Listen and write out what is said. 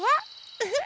ウフ！